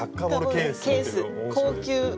ケース高級！